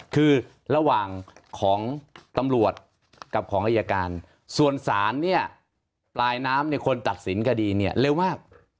คือระหว่างของตำรวจกับของอายการส่วนศาลเนี่ยปลายน้ำเนี่ยคนตัดสินคดีเนี่ยเร็วมาก